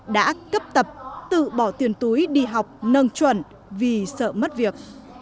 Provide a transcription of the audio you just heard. đã cấp tập tự bỏ tiền túi đi học nâng chuẩn vì sợ mất việc